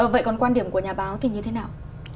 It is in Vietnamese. vậy còn quan điểm của nhà báo thì như thế nào